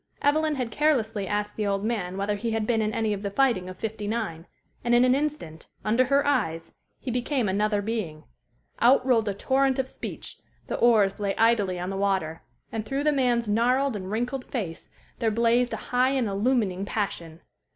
Evelyn had carelessly asked the old man whether he had been in any of the fighting of '59, and in an instant, under her eyes, he became another being. Out rolled a torrent of speech; the oars lay idly on the water; and through the man's gnarled and wrinkled face there blazed a high and illumining passion.